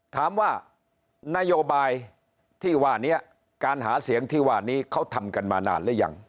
ถามว่านโยบายที่ว่านี้การหาเสียงที่ว่านี้เขาทำกันมานานหรือยัง